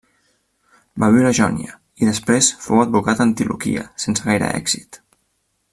Va viure a Jònia i després fou advocat a Antioquia, sense gaire èxit.